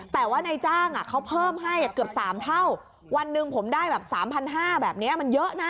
แต่ว่าในจ้างอ่ะเขาเพิ่มให้เกือบสามเท่าวันหนึ่งผมได้แบบสามพันห้าแบบเนี้ยมันเยอะนะ